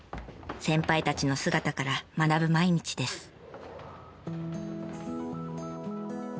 先輩たちの姿から学ぶ毎日です。